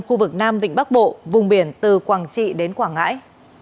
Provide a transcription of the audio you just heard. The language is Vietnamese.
khu vực nam vịnh bắc bộ vùng biển từ quảng trị đến quảng ngãi